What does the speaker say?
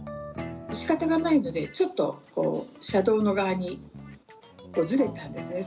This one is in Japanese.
しかたがないのでちょっと車道の側にずれたんですね。